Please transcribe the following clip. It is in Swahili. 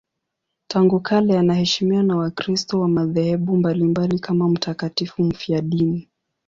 Tangu kale anaheshimiwa na Wakristo wa madhehebu mbalimbali kama mtakatifu mfiadini.